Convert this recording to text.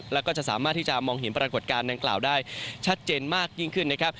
แล้วก็จะสามารถที่จะมองเห็นปรากฏการณ์ดังกล่าวได้ชัดเจนมากยิ่งขึ้นนะครับ